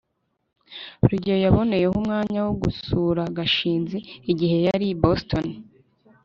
rugeyo yaboneyeho umwanya wo gusura gashinzi igihe yari i boston